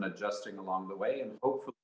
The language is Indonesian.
dan semoga kita akan melihat efeknya